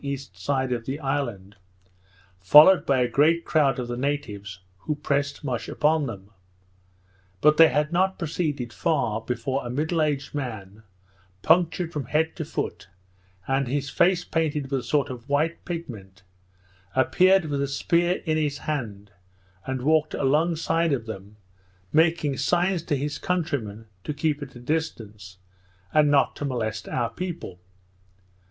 E. side of the island, followed by a great crowd of the natives, who pressed much upon them. But they had not proceeded far, before a middle aged man, punctured from head to foot, and his face painted with a sort of white pigment, appeared with a spear in his hand, and walked along side of them, making signs to his countrymen to keep at a distance, and not to molest our people.